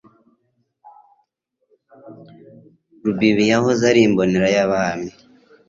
Rubibi yahoze ari imbonera y'Abami,